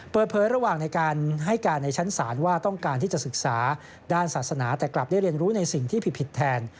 ระหว่างในการให้การในชั้นศาลว่าต้องการที่จะศึกษาด้านศาสนาแต่กลับได้เรียนรู้ในสิ่งที่ผิดแทน